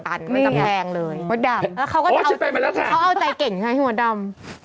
เขาเอาใจเก่งใช่ไหมมดดำ